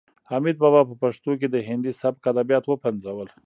حمید بابا په پښتو کې د هندي سبک ادبیات وپنځول.